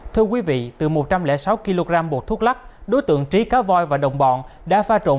thưa quý vị từ một trăm linh sáu kg bột thuốc lắc đối tượng trí cá voi và đồng bọn đã pha trộn